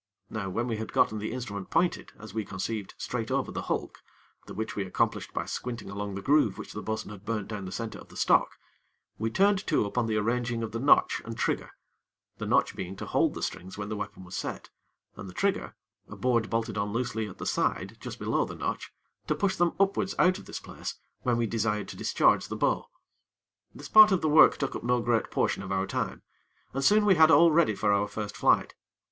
Now, when we had gotten the instrument pointed, as we conceived, straight over the hulk, the which we accomplished by squinting along the groove which the bo'sun had burnt down the center of the stock, we turned to upon the arranging of the notch and trigger, the notch being to hold the strings when the weapon was set, and the trigger a board bolted on loosely at the side just below the notch to push them upwards out of this place when we desired to discharge the bow. This part of the work took up no great portion of our time, and soon we had all ready for our first flight.